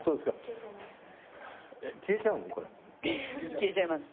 消えちゃいます。